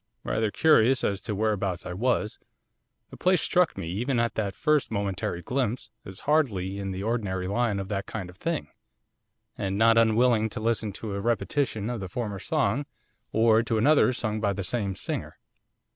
Rather curious as to whereabouts I was, the place struck me, even at that first momentary glimpse, as hardly in the ordinary line of that kind of thing. And not unwilling to listen to a repetition of the former song, or to another sung by the same singer.